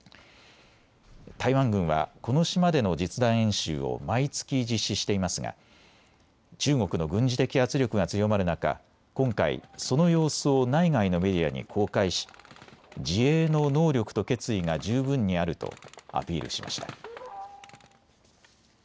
台湾軍はこの島での実弾演習を毎月、実施していますが中国の軍事的圧力が強まる中、今回、その様子を内外のメディアに公開し自衛の能力と決意が十分にあるとアピールしました。